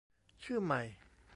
ชื่อใหม่